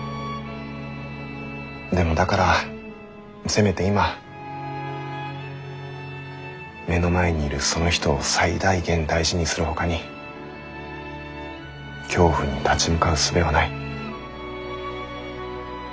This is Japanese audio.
でもだからせめて今目の前にいるその人を最大限大事にするほかに恐怖に立ち向かうすべはない。